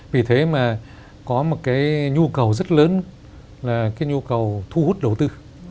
vì thế mà có một cái nhu cầu rất lớn là cái nhu cầu thu hút đầu tư